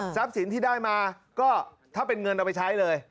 สินที่ได้มาก็ถ้าเป็นเงินเอาไปใช้เลย